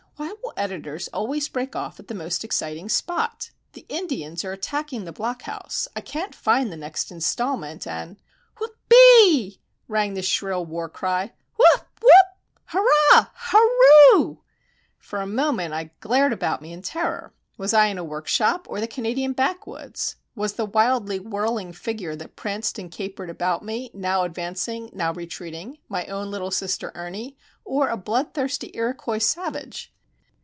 Why will editors always break off at the most exciting spot? The Indians are attacking the blockhouse, I can't find the next instalment, and——" "Whoop ee!" rang the shrill war cry. "Whoop! Whoop! hurrah! hur roo o!" For a moment I glared about me in terror. Was I in the workshop or the Canadian backwoods? Was the wildly whirling figure that pranced and capered about me, now advancing, now retreating, my own little sister Ernie, or a bloodthirsty Iroquois savage?